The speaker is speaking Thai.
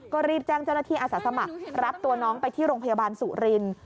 ก็รีบแจ้งเจ้าหน้าที่อาสาสมัครรับตัวน้องไปที่โรงพยาบาลสุรินทร์